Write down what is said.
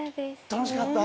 楽しかった？